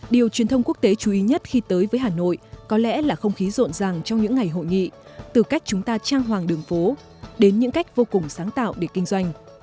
điều truyền thông quốc tế chú ý nhất khi tới với hà nội có lẽ là không khí rộn ràng trong những ngày hội nghị từ cách chúng ta trang hoàng đường phố đến những cách vô cùng sáng tạo để kinh doanh